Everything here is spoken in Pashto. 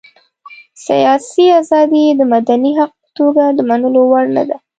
سياسي ازادي یې د مدني حق په توګه د منلو وړ نه ده.